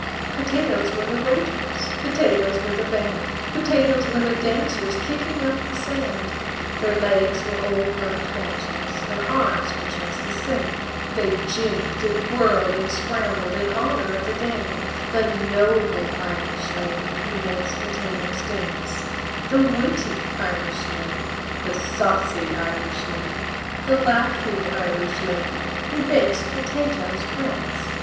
"Potatoes were the waiters, Potatoes were the band, Potatoes were the dancers Kicking up the sand: Their legs were old burnt matches, Their arms were just the same, They jigged and whirled and scrambled In honor of the dame: The noble Irish lady Who makes potatoes dance, The witty Irish lady, The saucy Irish lady, The laughing Irish lady Who makes potatoes prance.